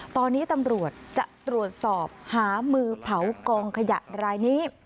ตอนนี้ตำรวจจะตรวจสอบหามือเผากองขยะรายนี้